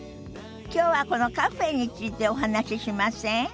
きょうはこのカフェについてお話ししません？